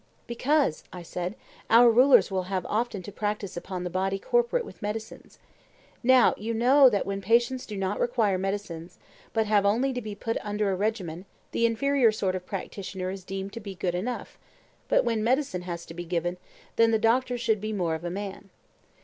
Because, I said, our rulers will often have to practise upon the body corporate with medicines. Now you know that when patients do not require medicines, but have only to be put under a regimen, the inferior sort of practitioner is deemed to be good enough; but when medicine has to be given, then the doctor should be more of a man.